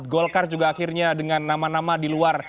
golkar juga akhirnya dengan nama nama di luar